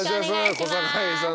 小堺さん！